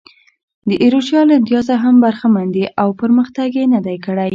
د ایروشیا له امتیازه هم برخمن دي او پرمختګ یې نه دی کړی.